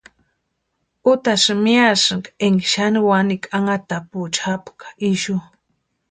Utasïni miasïnka énka xani wanikwa anhatapuecha japka ixu.